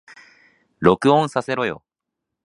録音させろよ